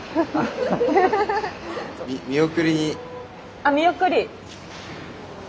あっ見送り。